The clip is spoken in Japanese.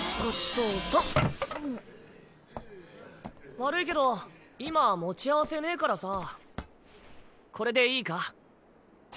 悪いけど今持ち合わせねぇからさこれでいいか？